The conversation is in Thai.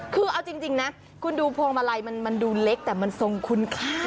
คือเอาจริงนะคุณดูพวงมาลัยมันดูเล็กแต่มันทรงคุณค่า